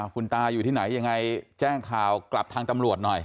คุณตาอยู่ที่ไหนยังไงแจ้งข่าวกลับทางตำรวจหน่อย